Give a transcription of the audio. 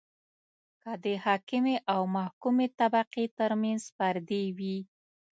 که د حاکمې او محکومې طبقې ترمنځ پردې وي.